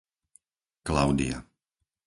Klaudia